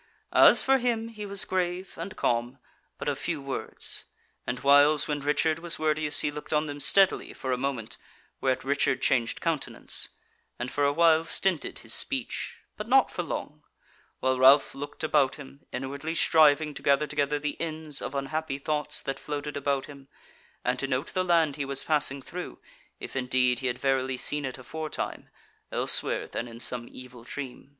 As for him, he was grave and calm, but of few words; and whiles when Richard was wordiest he looked on him steadily for a moment whereat Richard changed countenance, and for a while stinted his speech, but not for long; while Ralph looked about him, inwardly striving to gather together the ends of unhappy thoughts that floated about him, and to note the land he was passing through, if indeed he had verily seen it aforetime, elsewhere than in some evil dream.